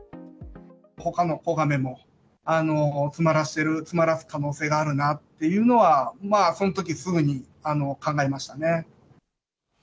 ほかの子ガメも、詰まらす可能性があるなっていうのは、そのときすぐに考えましたね。